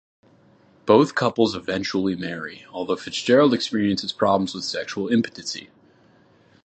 Both couples eventually marry, although Fitzgerald experiences problems with sexual impotency.